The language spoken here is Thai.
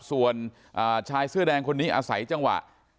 ส่วนชายเสื้อแดงคนนี้อาศัยจังหวะ